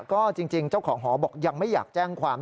ก็จริงเจ้าของหอบอกยังไม่อยากแจ้งความ